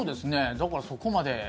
だからそこまで。